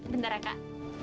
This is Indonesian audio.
bentar ya kak